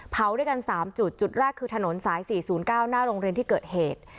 ด้วยกัน๓จุดจุดแรกคือถนนสาย๔๐๙หน้าโรงเรียนที่เกิดเหตุ